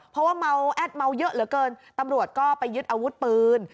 เพราะว่าเมาแอดเมาเยอะเหลือเกินตำรวจก็ไปยึดอาวุธปืน